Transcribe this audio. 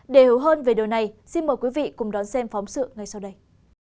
để hiểu hơn về điều này xin mời quý vị cùng đón xem phóng sự ngay sau đây